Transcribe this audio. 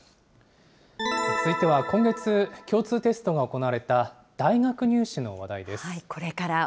続いては、今月、共通テストが行われた、大学入試の話題です。